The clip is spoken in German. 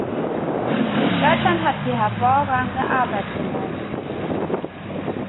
Deutschland hat hier hervorragende Arbeit geleistet.